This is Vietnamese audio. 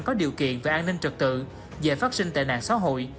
có điều kiện về an ninh trực tự giải phát sinh tệ nạn xã hội